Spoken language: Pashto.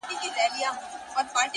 • چي به پورته سوې څپې او لوی موجونه ,